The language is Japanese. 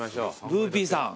ブーピーさん。